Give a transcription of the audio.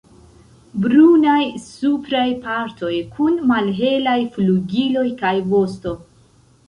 Brunaj supraj partoj, kun malhelaj flugiloj kaj vosto.